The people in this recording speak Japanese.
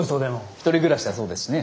１人暮らしだそうですしね。